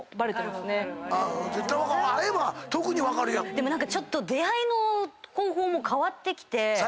でも何かちょっと出会いの方法も変わってきて。